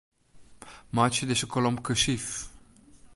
Meitsje dizze kolom kursyf.